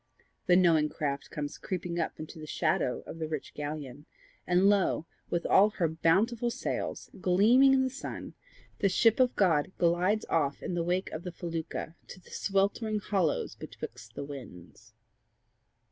The knowing craft comes creeping up into the shadow of the rich galleon, and lo, with all her bountiful sails gleaming in the sun, the ship of God glides off in the wake of the felucca to the sweltering hollows betwixt the winds!